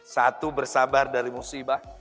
satu bersabar dari musibah